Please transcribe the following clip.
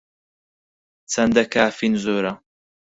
چەندە کافین زۆرە؟